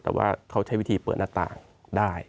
แต่ว่าเขาใช้วิธีเปิดหน้าต่างได้